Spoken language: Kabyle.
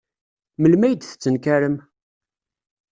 Melmi ay d-tettenkarem?